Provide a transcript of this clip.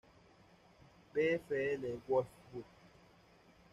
VfL Wolfsburg